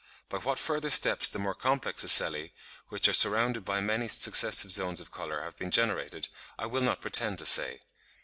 By what further steps the more complex ocelli, which are surrounded by many successive zones of colour, have been generated, I will not pretend to say.